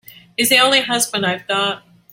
He's the only husband I've got.